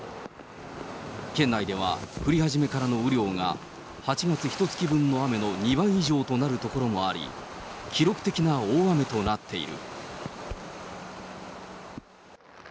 県内では降り始めからの雨量が８月ひとつき分の雨の２倍以上となる所もあり、記録的な大雨となっている。